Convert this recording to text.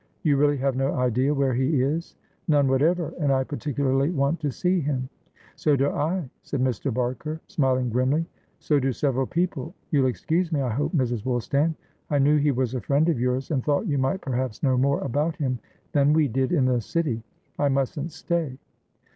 "You really have no idea where he is?" "None whatever. And I particularly want to see him." "So do I," said Mr. Barker, smiling grimly. "So do several people. You'll excuse me, I hope, Mrs. Woolstan. I knew he was a friend of yours, and thought you might perhaps know more about him than we did in the City. I mustn't stay."